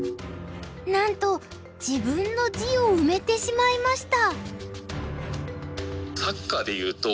なんと自分の地を埋めてしまいました。